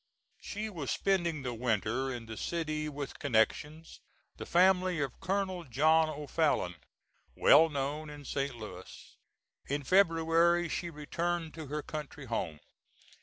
She was spending the winter in the city with connections, the family of Colonel John O'Fallon, well known in St. Louis. In February she returned to her country home.